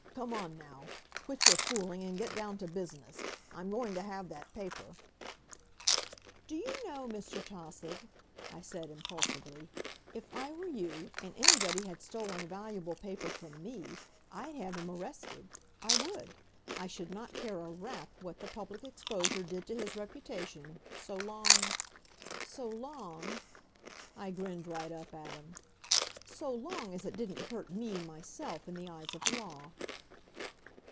Come on, now! Quit your fooling and get down to business. I'm going to have that paper." "Do you know, Mr. Tausig," I said impulsively, "if I were you, and anybody had stolen a valuable paper from me, I'd have him arrested. I would. I should not care a rap what the public exposure did to his reputation, so long so long," I grinned right up at him, "so long as it didn't hurt me, myself, in the eyes of the law."